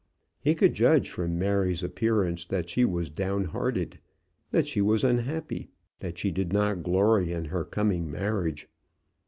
He could judge from Mary's appearance that she was down hearted, that she was unhappy, that she did not glory in her coming marriage.